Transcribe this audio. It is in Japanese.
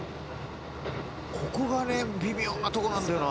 「ここがね微妙なとこなんだよな」